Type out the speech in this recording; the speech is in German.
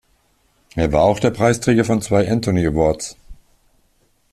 Er war auch der Preisträger von zwei Anthony Awards.